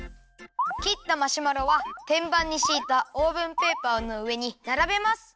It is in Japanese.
きったマシュマロはてんばんにしいたオーブンペーパーのうえにならべます。